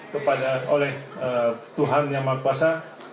kepada oleh tuhan yang mahu puasa